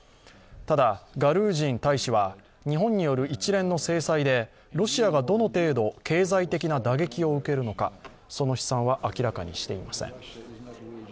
ただ、ガルージン大使は日本による一連の制裁でロシアがどの程度、経済的な打撃を受けるのか、その試算は明らかにしていません。